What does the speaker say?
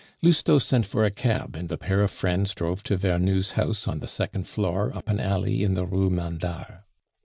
Lousteau sent for a cab, and the pair of friends drove to Vernou's house on the second floor up an alley in the Rue Mandar.